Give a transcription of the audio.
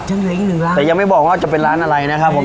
แต่ยังไม่บอกว่าจะเป็นร้านอะไรนะครับผม